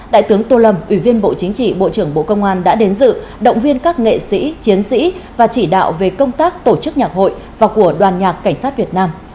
đại tướng tô lâm ủy viên bộ chính trị bộ trưởng bộ công an đã đến dự động viên các nghệ sĩ chiến sĩ và chỉ đạo về công tác tổ chức nhạc hội và của đoàn nhạc cảnh sát việt nam